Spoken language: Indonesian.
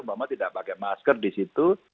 bapak tidak pakai masker di situ